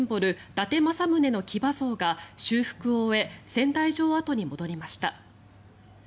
伊達政宗の騎馬像が修復を終え仙台城跡に戻りました。